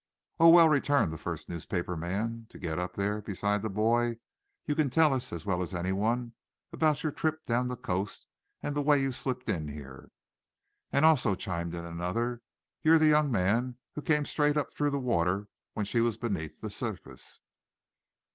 "Oh, well," returned the first newspaper man to get up there beside the boy, "you can tell us, as well as anyone, about your trip down the coast and the way you slipped in here." "And also," chimed in another, "you're the young man who came straight up through the water when she was beneath the surface?"